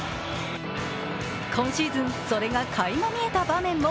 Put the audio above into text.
今シーズン、それがかいま見えた場面も。